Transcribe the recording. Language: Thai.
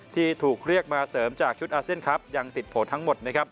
ที่ถูกเรียกมาเสริมจากชุดอาเซียนครับยังติดโผล่ทั้งหมดนะครับ